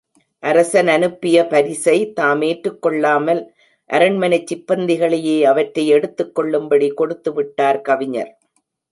அரசன் அனுப்பிய பரிசை தாம் ஏற்றுக் கொள்ளாமல், அரண்மனைச் சிப்பந்திகளையே அவற்றைப் எடுத்துக் கொள்ளும்படி கொடுத்து விட்டார் கவிஞர்.